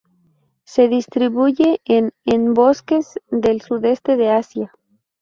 Se distribuye en en bosques del sudeste de Asia.